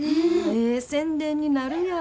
ええ宣伝になるやん。